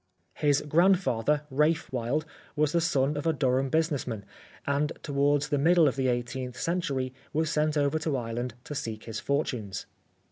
His grandfather, Ralph Wilde, 7 The Life of Oscar Wilde was the son of a Durham business man, and to wards the middle of the eighteenth century was sent over to Ireland to seek his fortunes.